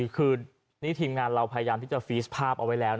คือนิทินงานเราพยายามที่จะนำภาพเอาไว้แล้วนะ